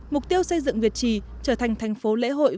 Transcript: mục tiêu xây dựng việt trì trở thành thành phố lễ hội